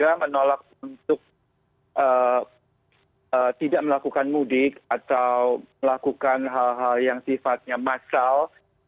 mereka menolak untuk tidak melakukan mudik atau melakukan hal hal yang sifatnya massal